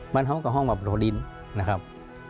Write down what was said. บรรเทาะกับห้องประโทษดินนะครับ